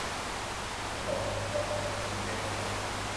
ทั้งหมดที่ฉันจะต้องพูดกับคุณมีเพียงเท่านี้แหล่ะ !